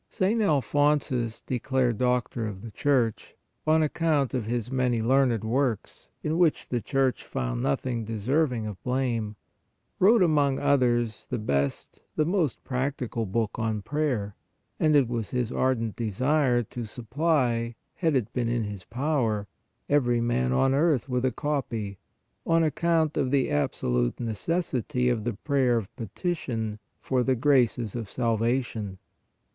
St. Alphonsus, declared Doctor of the Church on account of his many learned works, in which the Church found nothing deserving of blame, wrote among others the best, the most practical book on Prayer, and it was his ardent desire to supply, had it been in his power, every man on earth with a copy, on account of the absolute necessity of the prayer of petition for the graces of salvation.